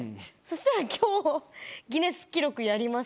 したら今日。